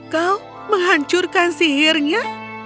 kau menghancurkan sihirnya